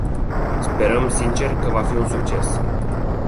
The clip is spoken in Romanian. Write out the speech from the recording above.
Sperăm sincer că va fi un succes.